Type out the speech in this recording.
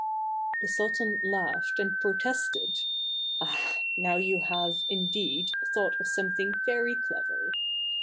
The sultan laughed and protested, " Ah ! now you have, indeed, thought of something very clever.